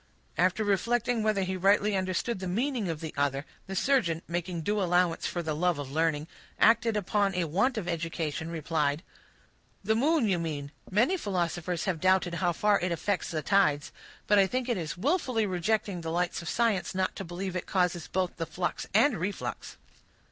After reflecting whether he rightly understood the meaning of the other, the surgeon, making due allowance for the love of learning, acting upon a want of education, replied,— "The moon, you mean; many philosophers have doubted how far it affects the tides; but I think it is willfully rejecting the lights of science not to believe it causes both the flux and reflux."